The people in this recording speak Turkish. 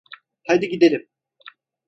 Haydi gidelim.